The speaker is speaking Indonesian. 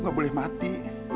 lo gak boleh mati